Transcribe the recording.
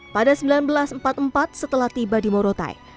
pada seribu sembilan ratus empat puluh empat setelah tiba di morotai